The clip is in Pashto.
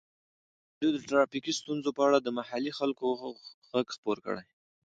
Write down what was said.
ازادي راډیو د ټرافیکي ستونزې په اړه د محلي خلکو غږ خپور کړی.